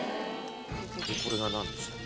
これがなんでしたっけ？